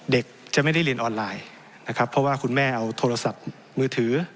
เด็กจะไม่ได้เรียนออนไลน์นะครับเพราะว่าคุณแม่เอาโทรศัพท์มือถือ